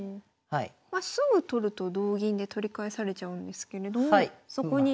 すぐ取ると同銀で取り返されちゃうんですけれどもそこに。